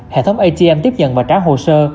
hệ thống atm tiếp nhận và trả hồ sơ